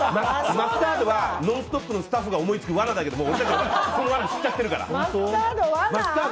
マスタードは「ノンストップ！」のスタッフが思いつく罠だけど俺たちは知っちゃってるから。